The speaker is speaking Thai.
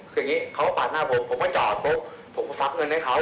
คืออย่างนี้เขาก็ปาดหน้าผมผมก็จอดปุ๊บผมก็ฟักเงินให้เขา